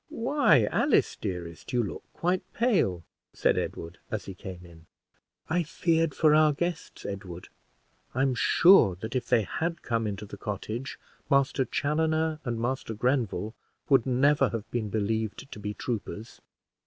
"Why, Alice, dearest! you look quite pale!" said Edward, as he came in. "I feared for our guests, Edward. I'm sure that if they had come into the cottage, Master Chaloner and Master Grenville would never have been believed to be troopers."